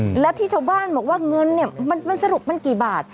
แล้วที่ชาวบ้านบอกว่าเงินเนี้ยมันมันสรุปมันกี่บาท